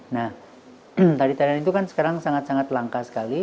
nah tari tarian itu kan sekarang sangat sangat langka sekali